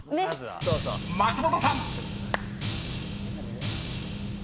［松本さん］